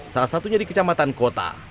salah satunya di kecamatan kota